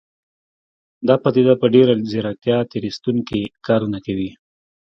دا پديده په ډېره ځيرکتيا تېر ايستونکي کارونه کوي.